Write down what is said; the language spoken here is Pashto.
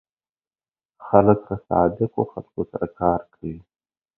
خلک له صادقو خلکو سره کار کوي.